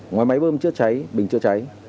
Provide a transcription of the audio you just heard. ngoài máy bơm chữa cháy bình chữa cháy